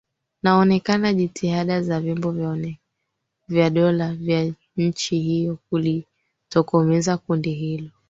naonekana jitihada za vyombo vya dola vya nchi hiyo kulitokomeza kundi hilo